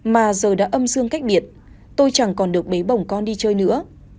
mà giờ đã âm dương cách biệt tôi chẳng còn được bế bổng con đi chơi nữa